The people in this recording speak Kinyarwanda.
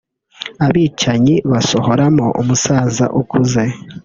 abicanyi basohoramo umusaza ukuze